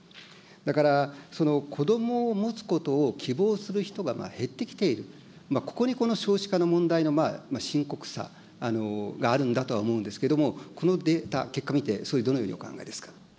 だからこどもを持つことを希望する人が減ってきている、ここにこの少子化の問題の深刻さがあるんだとは思うんですけども、このデータ、結果見て、総理、どのようにお考えですか。